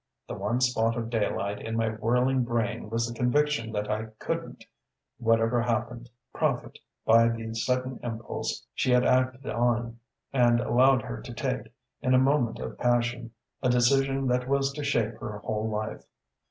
The one spot of daylight in my whirling brain was the conviction that I couldn't whatever happened profit by the sudden impulse she had acted on, and allow her to take, in a moment of passion, a decision that was to shape her whole life.